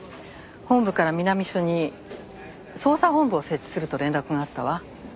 本部から南署に捜査本部を設置すると連絡があったわ。